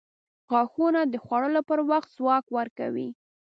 • غاښونه د خوړلو پر وخت ځواک ورکوي.